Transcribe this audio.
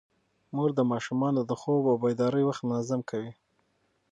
مور د ماشومانو د خوب او بیدارۍ وخت منظم کوي.